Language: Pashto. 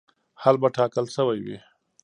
حل به ټاکل شوی وي.